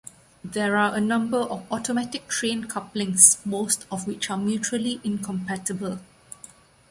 There are a number of automatic train couplings, most of which are mutually incompatible.